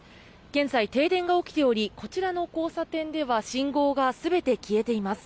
現在、停電が起きておりこちらの交差点では信号が全て消えています。